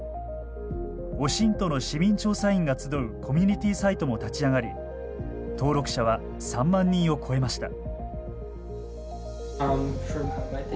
オシントの市民調査員が集うコミュニティーサイトも立ち上がり登録者は３万人を超えました。